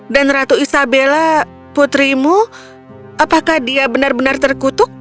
dan ratu isabella putrimu apakah dia benar benar terkutuk